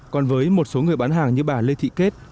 còn với một số người bán hàng như bà lê thị kết